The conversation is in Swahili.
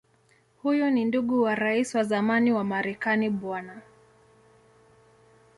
Huyu ni ndugu wa Rais wa zamani wa Marekani Bw.